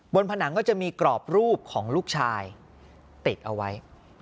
ผนังก็จะมีกรอบรูปของลูกชายติดเอาไว้